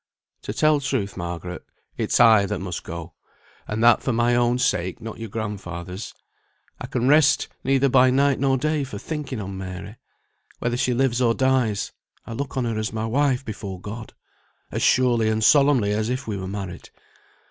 "To tell truth, Margaret, it's I that must go, and that for my own sake, not your grandfather's. I can rest neither by night nor day for thinking on Mary. Whether she lives or dies I look on her as my wife before God, as surely and solemnly as if we were married.